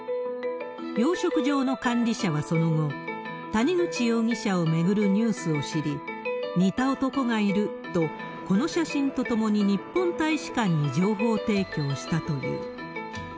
養殖場の管理者はその後、谷口容疑者を巡るニュースを知り、似た男がいると、この写真と共に日本大使館に情報提供したという。